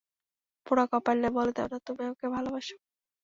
পোড়া কপাইল্যা, বলে দেও না, তুমি আমাকে ভালবাসো।